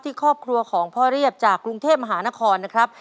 ครอบครัวของพ่อเรียบจากกรุงเทพมหานครนะครับ